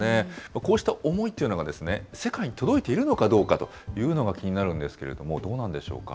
こうした思いというのが世界に届いているのかどうかというのが気になるわけですけれども、どうなんでしょうか。